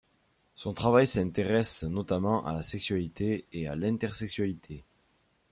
Son travail s'intéresse notamment à la sexualité et à l'intersexualité.